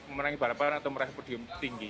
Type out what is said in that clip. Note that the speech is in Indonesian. memenangi balapan atau meraih podium tinggi